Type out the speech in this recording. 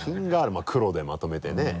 まぁ黒でまとめてね。